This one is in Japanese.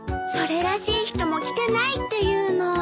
それらしい人も来てないっていうの。